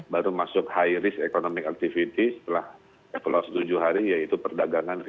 baru masuk high risk economic activity setelah aplaus tujuh hari yaitu perdagangan